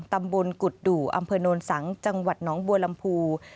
ตำบลกุฎดู่อำเภอโนนสังจังหวัดหนองบัวลำพู